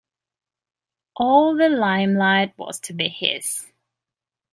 All the limelight was to be his.